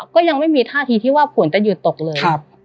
ก็ยังไม่มีท่าทีที่ว่าฝนจะหยุดตกเลย